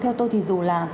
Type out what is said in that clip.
theo tôi thì dù là